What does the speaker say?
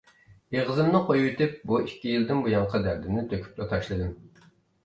ئېغىزىمنى قويۇۋېتىپ بۇ ئىككى يىلدىن بۇيانقى دەردىمنى تۆكۈپلا تاشلىدىم.